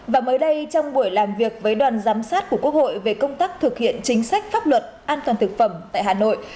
và mới đây trong buổi làm việc với đoàn giám sát của quốc hội về công tác thực hiện chính sách pháp luật an toàn thực phẩm tại hà nội